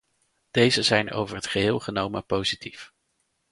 Deze zijn over het geheel genomen positief.